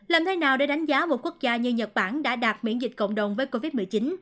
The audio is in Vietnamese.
làm thế nào để đánh giá một quốc gia như nhật bản đã đạt miễn dịch cộng đồng với covid một mươi chín